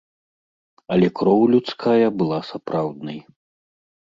Але кроў людская была сапраўднай.